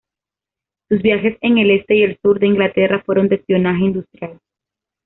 Sus viajes en el este y el sur de Inglaterra fueron de espionaje industrial.